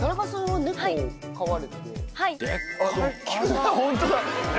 はい。